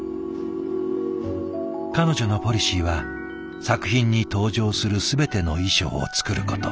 彼女のポリシーは作品に登場する全ての衣装を作ること。